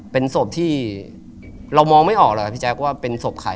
เป็นศพที่เรามองไม่ออกหรอกครับพี่แจ๊คว่าเป็นศพใคร